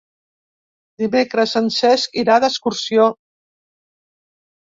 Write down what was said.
Dimecres en Cesc irà d'excursió.